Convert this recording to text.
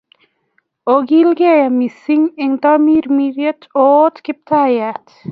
Ogilge mising' eng' tamirmiriet ,oote Kiptaityat.